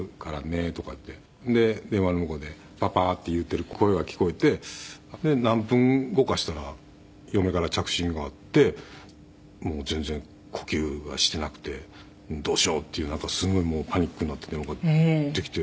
「で電話の向こうで“パパ”って言うてる声が聞こえて」「何分後かしたら嫁から着信があってもう全然呼吸がしていなくてどうしようっていうなんかすごいもうパニックになって電話かかってきて」